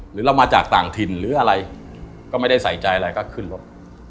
หรือเรามาจากต่างถิ่นหรืออะไรก็ไม่ได้ใส่ใจอะไรก็ขึ้นรถ